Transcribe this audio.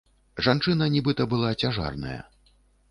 Жанчына нібыта была цяжарная.